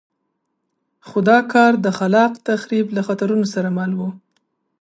خو دا کار د خلاق تخریب له خطرونو سره مل وو.